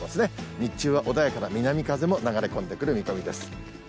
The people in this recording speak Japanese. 日中は穏やかな南風も流れ込んでくる見込みです。